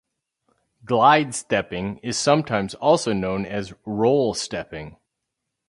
Glide stepping is sometimes also known as "roll stepping".